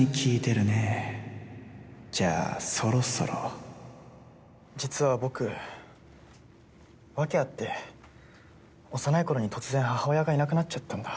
美澄さん実は僕訳あって幼いころに突然母親がいなくなっちゃったんだ